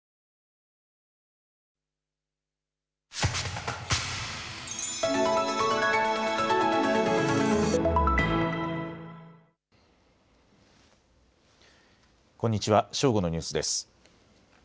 正午のニュースです。